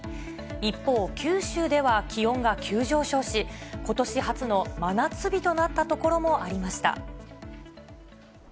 一方、九州では気温が急上昇し、ことし初の真夏日となった所もありました。